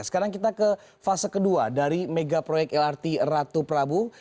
sekarang kita ke fase kedua dari mega proyek lrt ratu prabu